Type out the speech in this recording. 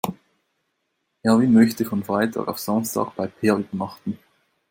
Erwin möchte von Freitag auf Samstag bei Peer übernachten.